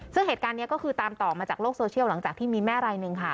ซึ่งเหตุการณ์นี้ก็คือตามต่อมาจากโลกโซเชียลหลังจากที่มีแม่รายหนึ่งค่ะ